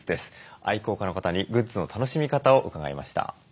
愛好家の方にグッズの楽しみ方を伺いました。